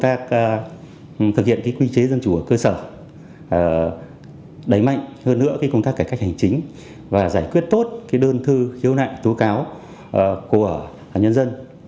các địa phương đã tổ chức tốt công tác thực hiện quy chế dân chủ ở cơ sở đẩy mạnh hơn nữa công tác cải cách hành chính và giải quyết tốt đơn thư hiếu nại tố cáo của nhân dân